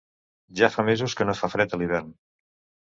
Ja fa mesos que no fa fred a l'hivern.